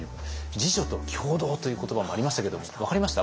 「自助」と「協同」という言葉もありましたけれども分かりました？